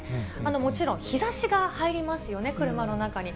もちろん、日ざしが入りますよね、車の中に。